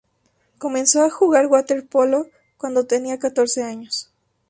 Comenzó a jugar waterpolo cuando tenía catorce años.